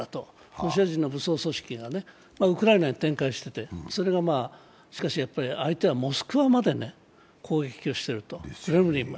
ロシア人の武装組織がウクライナに展開しててそれが、しかしやっぱり相手はモスクワまで攻撃していると、クレムリンも。